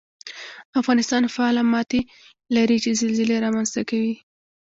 افغانستان فعاله ماتې لري چې زلزلې رامنځته کوي